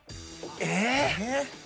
え